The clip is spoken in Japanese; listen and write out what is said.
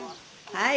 はい。